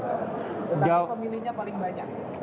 tapi pemilihnya paling banyak